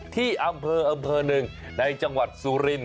ที่อำเภอหนึ่งในจังหวัดสุรินทร์